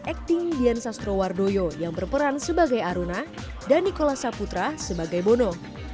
akting dian sastrowardoyo yang berperan sebagai aruna dan nikola saputra sebagai bono